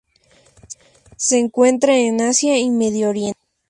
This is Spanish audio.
Se encuentra en Asia y Medio Oriente.